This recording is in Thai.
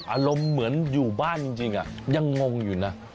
อารมณ์เหมือนอยู่บ้านจริงยังงงอยู่นะ